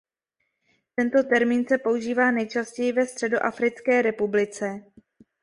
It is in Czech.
Tento termín se používá nejčastěji ve Středoafrické republice.